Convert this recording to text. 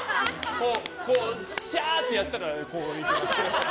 シャー！ってやったらこう行きますから。